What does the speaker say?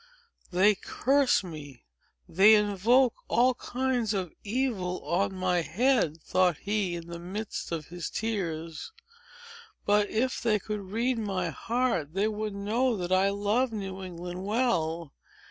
"They curse me—they invoke all kinds of evil on my head!" thought he, in the midst of his tears. "But, if they could read my heart, they would know that I love New England well.